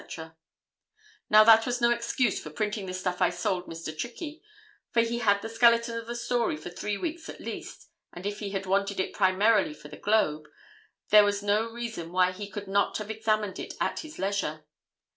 Now, that was no excuse for printing the stuff I sold Mr. Trickey, for he had the skeleton of the story for three weeks at least, and if he had wanted it primarily for the Globe, there was no reason why he could not have examined it at his leisure.